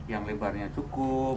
yang lebarnya cukup